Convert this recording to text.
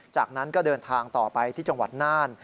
จากนั้นก็เดินทางต่อไปที่จังหวัดน่าน